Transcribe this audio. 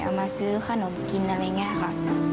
มาซื้อขนมกินอะไรอย่างนี้ค่ะ